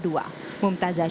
mumtazah chaterleningrat jakarta